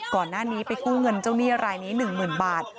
ก่อนหน้านี้ไปกู้เงินเจ้าหนี้รายนี้๑๐๐๐บาท